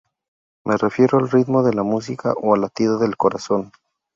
Me refiero al ritmo de la música o al latido del corazón?